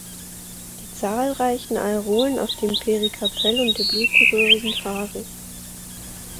Die zahlreichen Areolen auf dem Perikarpell und der Blütenröhre sind haarig.